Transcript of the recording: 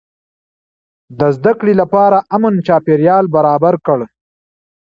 ده د زده کړې لپاره امن چاپېريال برابر کړ.